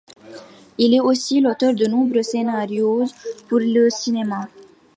Il est aussi l’auteur de nombreux scénarios pour le cinéma.